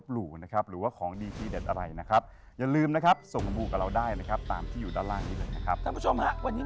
ให้ลุงหนุ่มสร้างกดไว้